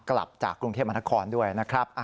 กลับจากกรุงเทพมนครด้วยนะครับ